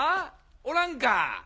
おらんか？